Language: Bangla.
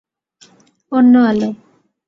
অন্য আলো